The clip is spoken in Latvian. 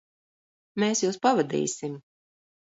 Mēs jūs pavadīsim.